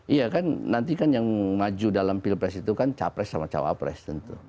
iya kan nanti kan yang maju dalam pilpres itu kan capres sama cawapres tentu